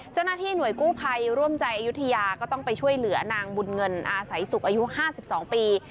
เจ้าหน้าที่หน่วยกู้ภัยร่วมใจอายุทยาก็ต้องไปช่วยเหลือนางบุญเงินอาศัยสุขอายุ๕๒ปี